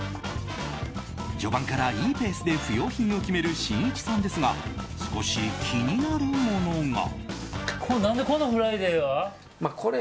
序盤から、いいペースで不要品を決めるしんいちさんですが少し気になるものが。